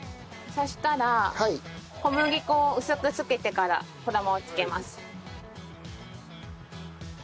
そしたら小麦粉を薄くつけてから衣をつけます。